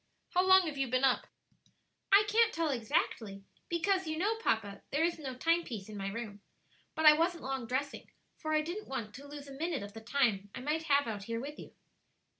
How long have you been up?" "I can't tell exactly; because, you know, papa, there is no time piece in my room. But I wasn't long dressing; for I didn't want to lose a minute of the time I might have out here with you."